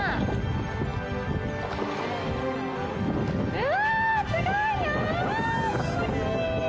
うわ、すごい。